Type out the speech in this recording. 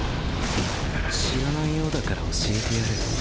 知らないようだから教えてやる。